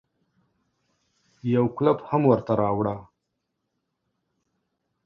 يو کولپ هم ورته راوړه.